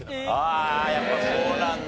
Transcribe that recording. ああやっぱそうなんだ。